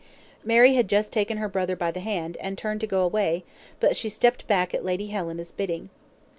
Mary had just taken her brother by the hand, and turned to go away; but she stepped back at Lady Helena's bidding.